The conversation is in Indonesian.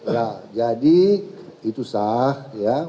ya jadi itu sah ya